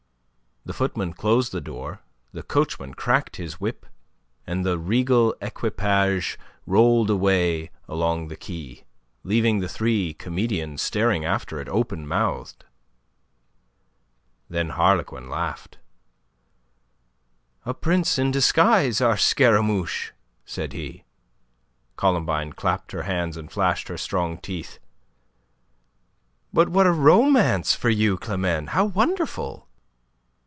The footman closed the door, the coachman cracked his whip, and the regal equipage rolled away along the quay, leaving the three comedians staring after it, open mouthed... Then Harlequin laughed. "A prince in disguise, our Scaramouche!" said he. Columbine clapped her hands and flashed her strong teeth. "But what a romance for you, Climene! How wonderful!"